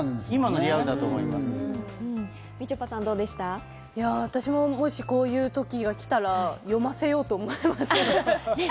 もし私もこういう時が来たら、読ませようと思います。